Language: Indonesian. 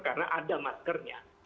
karena ada maskernya